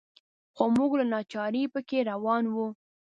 خو موږ له ناچارۍ په کې روان وو.